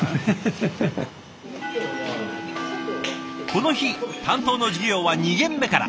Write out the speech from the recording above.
この日担当の授業は２限目から。